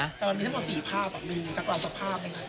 มันมีทั้งหมดสี่ภาพมีสักรอบสักภาพไหม